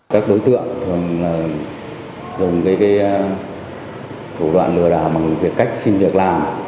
các đối tượng thường dùng cái thủ đoạn lừa đảo bằng việc cách xin việc làm